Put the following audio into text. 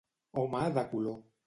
Home de color.